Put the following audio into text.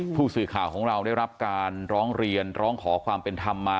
ผู้สื่อข่าวของเราได้รับการร้องเรียนร้องขอความเป็นธรรมมา